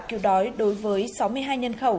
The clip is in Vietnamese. cứu đói đối với sáu mươi hai nhân khẩu